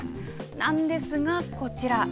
なんですが、こちら。